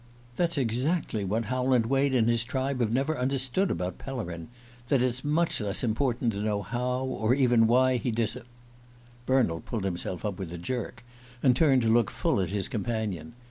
"That's exactly what Howland Wade and his tribe have never understood about Pellerin: that it's much less important to know how, or even why, he disapp " Bernald pulled himself up with a jerk, and turned to look full at his companion.